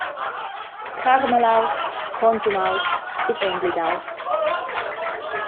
Carmalaus, consumaus, ed emblidaus!